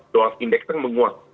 dollar index yang menguat